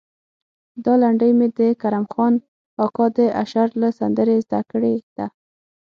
دا لنډۍ مې د کرم خان اکا د اشر له سندرې زده کړې ده.